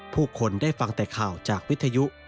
ผู้คนได้ฟังแต่ข่าวจากวิทยุ